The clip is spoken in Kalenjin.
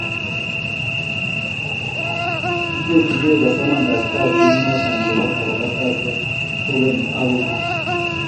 Kiwekchi gei kosoman karatasit noe bo kabarastaosiek kukeny ak kukeny